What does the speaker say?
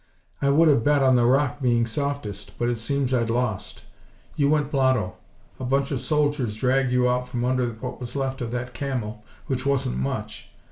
I would have bet on the rock being softest, but it seems I'd lost. You went blotto. A bunch of soldiers dragged you out from under what was left of that Camel which wasn't much.